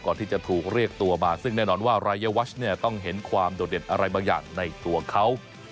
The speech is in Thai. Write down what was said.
ก่อนที่จะถูกเรียกตัวมาซึ่งแน่นอนว่ารายวัชเนี่ยต้องเห็นความโดดเด่นอะไรบางอย่างในตัวเขา